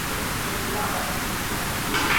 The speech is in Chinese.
可能使用汉藏语系或南亚语系。